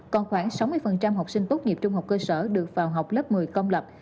còn khoảng sáu mươi học sinh tốt nghiệp trung học cơ sở được vào học lớp một mươi công lập